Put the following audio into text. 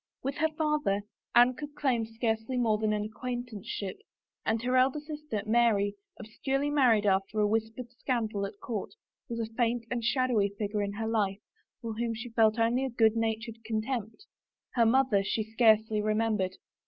With her father Anne could claim scarcely more than an acquaintanceship, and her elder sister, Mary, obscurely married after a whispered scandal at court, was a faint and shadowy figure in her life for whom she felt only a good natured contempt. Her mother she scarcely remembered.